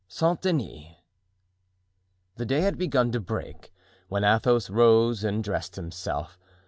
Saint Denis. The day had begun to break when Athos arose and dressed himself.